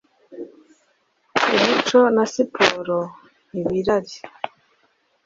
umuco na siporo, ibirari